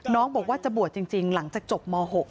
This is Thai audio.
น้องบอกว่าจะบวชจริงหลังจากจบม๖